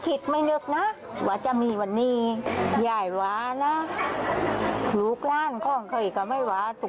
ครูสอนเต้นเมื่อกี้นะคือนางเจนจิราวงพิพันธ์